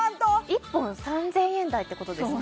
１本３０００円台ってことですか？